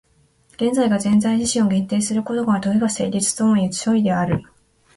現在が現在自身を限定することから、時が成立するともいう所以である。